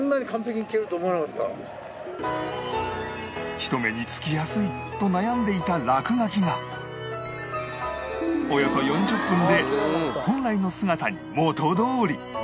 人目につきやすいと悩んでいた落書きがおよそ４０分で本来の姿に元どおり！